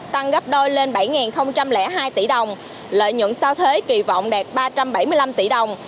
tăng gấp đôi lên bảy hai tỷ đồng lợi nhuận sau thuế kỳ vọng đạt ba trăm bảy mươi năm tỷ đồng